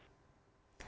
saya pikir terlalu dini